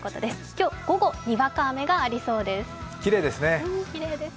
今日午後、にわか雨がありそうです。